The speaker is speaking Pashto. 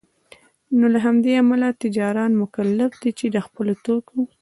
نوله همدې امله تجاران مکلف دی چي دخپلو توکو